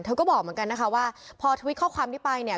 ก็บอกเหมือนกันนะคะว่าพอทวิตข้อความนี้ไปเนี่ย